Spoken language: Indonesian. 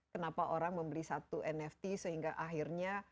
kenapa orang membeli satu nft sehingga akhirnya